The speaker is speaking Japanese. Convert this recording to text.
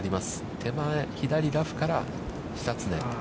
手前、左ラフから久常。